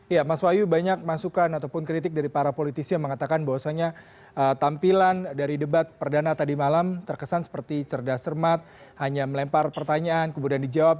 ya mas wahyu banyak masukan ataupun kritik dari para politisi yang mengatakan bahwasannya tampilan dari debat perdana tadi malam terkesan seperti cerdas cermat hanya melempar pertanyaan kemudian dijawab